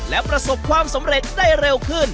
และประสบความสำเร็จได้เร็วขึ้น